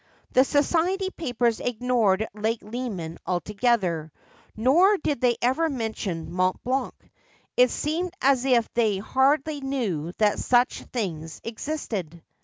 The ' society papers ' ignored Lake Leman altogether, nor did they ever mention Mont Blanc. It seemed as if they hardly knew that such things existed.